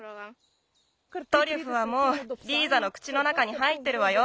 トリュフはもうリーザの口の中に入ってるわよ。